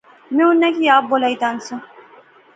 میں اُنہاں کی آپ بلائی تے آنزا